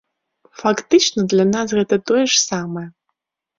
Фактычна, для нас гэта тое ж самае.